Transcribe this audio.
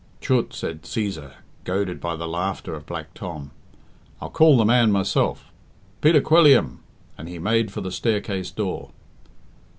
"Chut!" cried Cæsar, goaded by the laughter of Black Tom. "I'll call the man myself. Peter Quilliam!" and he made for the staircase door.